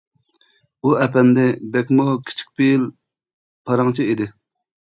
ئۇ ئەپەندى بەكمۇ كىچىك پېئىل، پاراڭچى ئىدى.